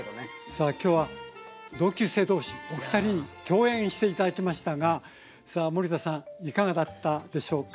さあ今日は同級生同士お二人に共演して頂きましたが森田さんいかがだったでしょうか？